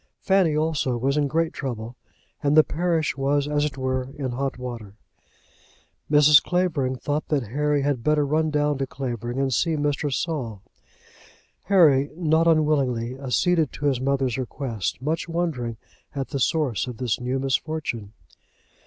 Fanny also was in great trouble, and the parish was, as it were, in hot water. Mrs. Clavering thought that Harry had better run down to Clavering, and see Mr. Saul. Harry, not unwillingly, acceded to his mother's request, much wondering at the source of this new misfortune.